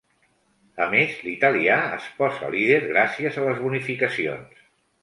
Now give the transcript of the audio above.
A més, l'italià es posa líder gràcies a les bonificacions.